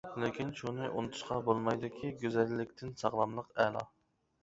لېكىن شۇنى ئۇنتۇشقا بولمايدۇكى گۈزەللىكتىن ساغلاملىق ئەلا.